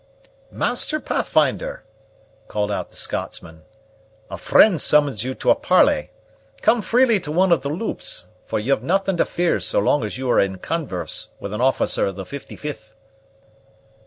"Master Pathfinder," called out the Scotchman, "a friend summons you to a parley. Come freely to one of the loops; for you've nothing to fear so long as you are in converse with an officer of the 55th."